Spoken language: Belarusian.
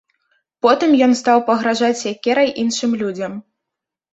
Потым ён стаў пагражаць сякерай іншым людзям.